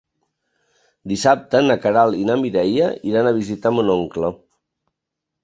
Dissabte na Queralt i na Mireia iran a visitar mon oncle.